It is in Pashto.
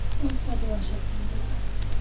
وسله د وحشت سمبول ده